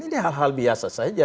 ini hal hal biasa saja